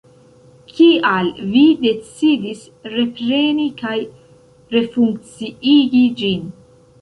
Kial vi decidis repreni kaj refunkciigi ĝin?